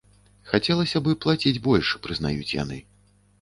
Хацелася бы плаціць больш, прызнаюць яны.